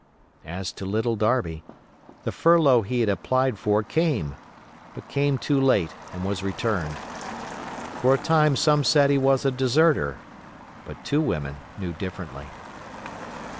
As to Little Darby, the furlough he had applied for came, but came too late and was returned. For a time some said he was a deserter; but two women knew differently.